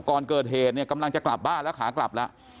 ก่อนเกิดเหตุเนี่ยกำลังจะกลับบ้านแล้วขากลับแล้ว